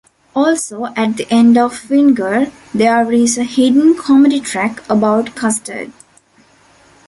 Also, at the end of "Whinger" there is a hidden comedy track about custard.